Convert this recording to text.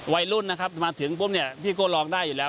วัยรุ่นนะครับมาถึงปุ๊บเนี่ยพี่ก็ลองได้อยู่แล้ว